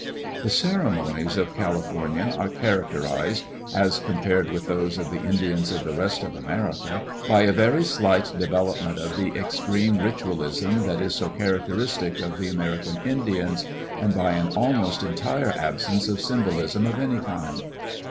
The ceremonies of California are characterized, as compared with those of the Indians of the rest of America, by a very slight development of the extreme ritualism that is so characteristic of the American Indians, and by an almost entire absence of symbolism of any kind.